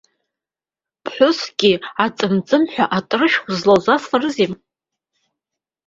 Ԥҳәыскгьы аҵымҵымҳәа атыршә узлалзасрызеи!